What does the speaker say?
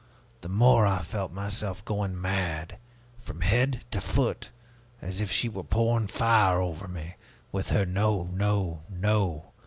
the more I felt myself going mad, from head to foot, as if she were pouring fire over me, with her 'No, no, no!'